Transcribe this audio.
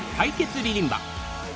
リリンバ